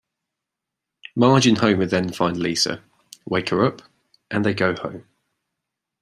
Marge and Homer then find Lisa, wake her up, and they go home.